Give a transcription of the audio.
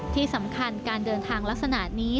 ที่สำคัญการเดินทางลักษณะนี้